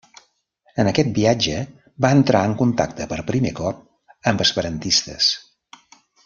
En aquest viatge va entrar en contacte per primer cop amb esperantistes.